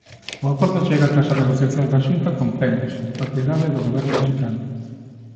O acordo chega tras as negociacións da Xunta con Pemex, propiedade do Goberno mexicano.